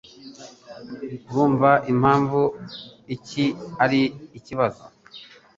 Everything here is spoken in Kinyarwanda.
Urumva impamvu iki ari ikibazo?